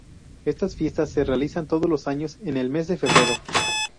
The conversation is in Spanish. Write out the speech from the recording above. Estas fiestas se realizan todos los años en el mes de febrero.